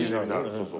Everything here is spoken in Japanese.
そうそう。